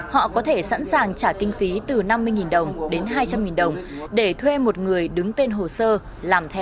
họ có thể sẵn sàng trả kinh phí từ năm mươi đồng đến hai trăm linh đồng để thuê một người đứng tên hồ sơ làm thẻ